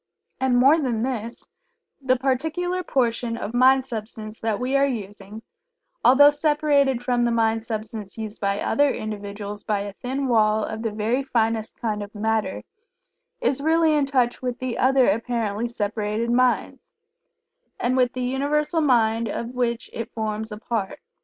And more than this, the particular portion of Mind substance that we are using, although separated from the Mind substance used by other individuals by a thin wall of the very finest kind of Matter, is really in touch with the other apparently separated minds, and with the Universal Mind of which it forms a part.